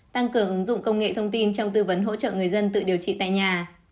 tăng cường ứng dụng công nghệ thông tin trong tư vấn hỗ trợ người dân tự điều trị tại nhà